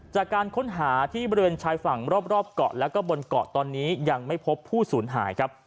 จากการค้นหาที่บริเวณชายฝั่งรอบเกาะแล้วก็บนเกาะตอนนี้ยังไม่พบผู้สูญหายครับ